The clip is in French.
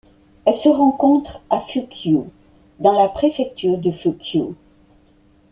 Elle se rencontre à Fukui dans la préfecture de Fukui.